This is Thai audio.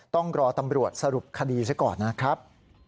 ต้องรอตำรวจสรุปคดีซะก่อนนะครับ